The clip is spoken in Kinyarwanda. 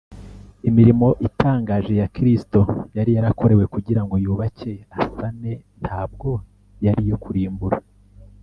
’ imirimo itangaje ya kristo yari yarakorewe kugira ngo yubake, asane ntabwo yari iyo kurimbura